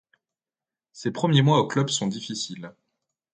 Ses premiers mois au club sont difficiles.